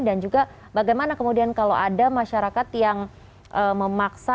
dan juga bagaimana kemudian kalau ada masyarakat yang memaksa